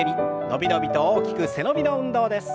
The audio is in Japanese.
伸び伸びと大きく背伸びの運動です。